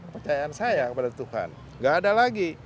percayaan saya kepada tuhan gak ada lagi